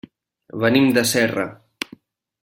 Venim de Serra.